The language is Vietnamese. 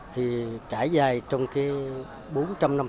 thì trải dài trong cái bốn trăm năm mươi trang